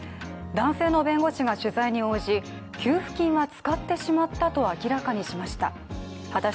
男性の弁護士が取材に応じ、給付金は使ってしまったと明らかにしました。